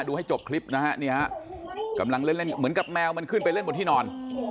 ให้จบคลิปนะฮะนี่ฮะกำลังเล่นเล่นเหมือนกับแมวมันขึ้นไปเล่นบนที่นอน